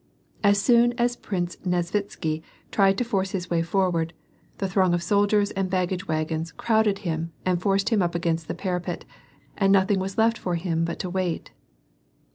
As soon as Prince Nesvitsky tried to force his way forward, the throng of soldiers and baggage wagons crowded him and forced him up against the parapet, and nothing was left for him but to wait.